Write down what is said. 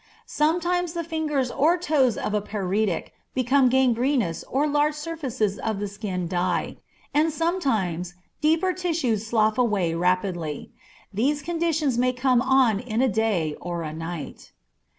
Sometimes the fingers or toes of a paretic become gangrenous or large surfaces of the skin die, and sometimes deeper tissues slough away rapidly. These conditions may come on in a day or a night.